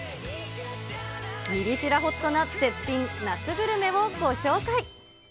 ミリ知らＨＯＴな絶品夏グルメをご紹介。